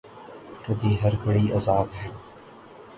کبھی ہر گھڑی عذاب ہے